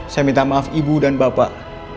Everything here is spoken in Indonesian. saya minta maaf ibu dan bapak